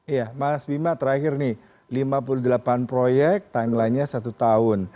ya mas bima terakhir nih lima puluh delapan proyek timelinenya satu tahun